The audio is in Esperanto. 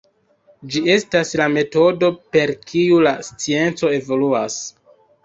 Ĝi estas la metodo per kiu la scienco evoluas.